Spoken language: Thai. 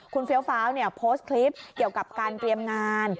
คุณเฟี้ยวฟ้าวโพสต์คลิปเกี่ยวกับการเตรียมงาน